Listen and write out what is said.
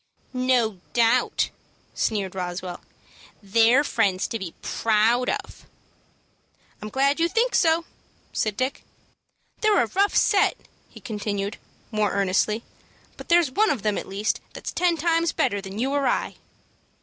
"No doubt," sneered Roswell. "They're friends to be proud of." "I'm glad you think so," said Dick. "They're a rough set," he continued, more earnestly; "but there's one of them, at least, that's ten times better than you or I."